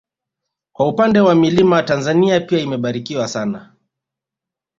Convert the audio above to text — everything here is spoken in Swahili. Kwa upande wa milima Tanzania pia imebarikiwa sana